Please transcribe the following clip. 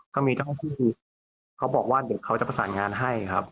ก็มีเจ้าหน้าที่เขาบอกว่าเดี๋ยวเขาจะประสานงานให้ครับ